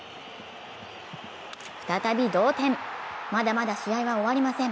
再び同点、まだまだ試合は終わりません。